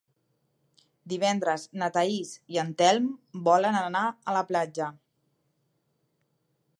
Divendres na Thaís i en Telm volen anar a la platja.